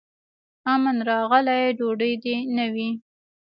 امن راغلی ډوډۍ دي نه وي